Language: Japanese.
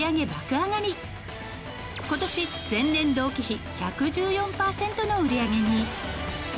今年前年同期比１１４パーセントの売り上げに。